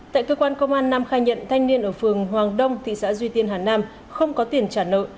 tại cơ quan công an nam khai nhận thanh niên ở phường hoàng đông thị xã duy tiên hà nam không có tiền trả nợ